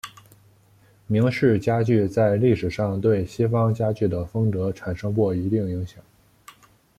明式家具在历史上对西方家具的风格产生过一定影响。